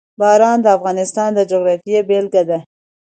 باران د افغانستان د جغرافیې بېلګه ده.